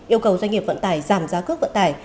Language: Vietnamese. yêu cầu doanh nghiệp vận tải giảm giá cước vận tải